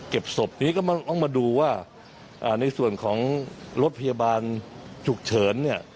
ศพนี้ก็ต้องมาดูว่าในส่วนของรถพยาบาลฉุกเฉินเนี่ย